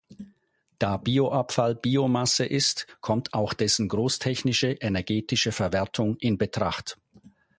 Da Bioabfall Biomasse ist, kommt auch dessen großtechnische energetische Verwertung in Betracht.